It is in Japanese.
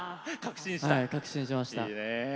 確信しました。